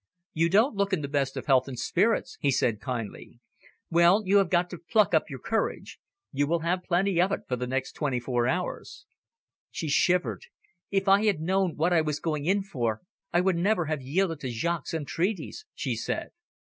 "You don't look in the best of health and spirits," he said kindly. "Well, you have got to pluck up your courage. You will want plenty of it for the next twenty four hours." She shivered. "If I had known what I was going in for, I would never have yielded to Jaques' entreaties," she said.